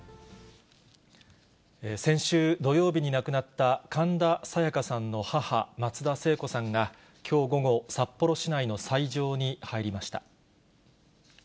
先週土曜日に亡くなった神田沙也加さんの母、松田聖子さんが、きょう午後、札幌市内の斎場に入りました。